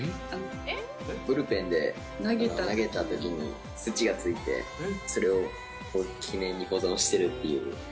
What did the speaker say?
ブルペンで投げたときに、土がついて、それを記念に保存してるっていう。